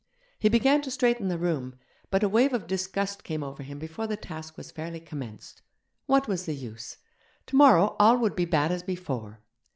He began to straighten the room, but a wave of disgust came over him before the task was fairly commenced. What was the use? Tomorrow all would be bad as before.